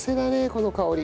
この香り。